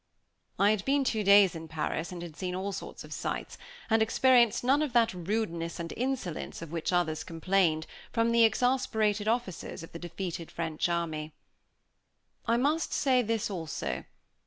I had been two days in Paris, and had seen all sorts of sights, and experienced none of that rudeness and insolence of which others complained from the exasperated officers of the defeated French army. I must say this, also.